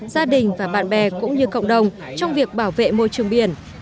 gia đình và bạn bè cũng như cộng đồng trong việc bảo vệ môi trường biển